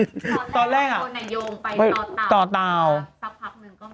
ตอเต่าซักพักนึงก็มีคนมาบอกว่า